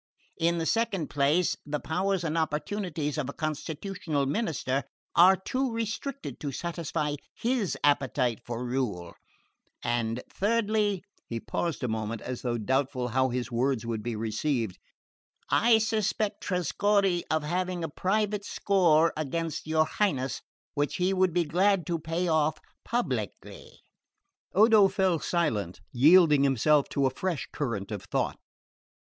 In the second place, the powers and opportunities of a constitutional minister are too restricted to satisfy his appetite for rule; and thirdly " he paused a moment, as though doubtful how his words would be received "I suspect Trescorre of having a private score against your Highness, which he would be glad to pay off publicly." Odo fell silent, yielding himself to a fresh current of thought.